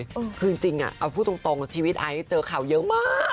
คือจริงเอาพูดตรงชีวิตไอซ์เจอข่าวเยอะมาก